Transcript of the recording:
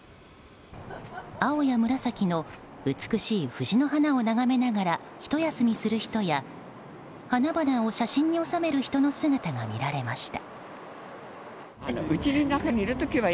青や紫の美しいフジの花を眺めながらひと休みする人や花々を写真に収める人の姿が見られました。